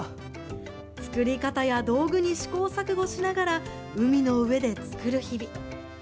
作り方や道具に試行錯誤しながら海の上で作る日々。